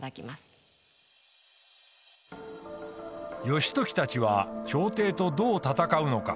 義時たちは朝廷とどう戦うのか？